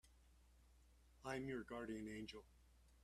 I'm your guardian angel.